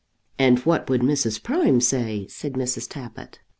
"And what would Mrs. Prime say?" said Mrs. Tappitt.